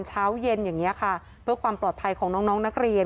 เช้าเย็นอย่างนี้ค่ะเพื่อความปลอดภัยของน้องนักเรียน